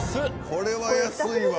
これは安いわ。